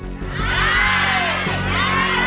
อ่า